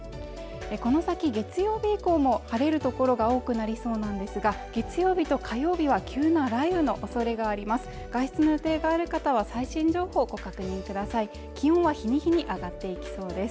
この先月曜日以降も晴れる所が多くなりそうなんですが月曜日と火曜日は急な雷雨の恐れがありますが最新情報をご確認ください